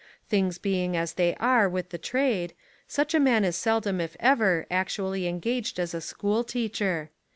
Things be ing as they are with the trade, such a man is seldom If ever actually engaged as a school teacher.